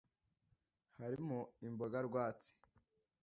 hari mo Imboga rwatsi